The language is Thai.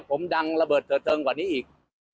ผมดังระเบิดเจอเจิงกว่านี้อีก